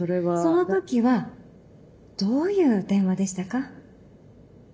その時はどういう電話でしたか？